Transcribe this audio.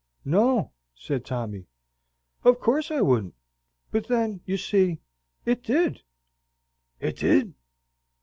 "No," said Tommy, "of course I wouldn't; but then, you see, IT DID." "It did?"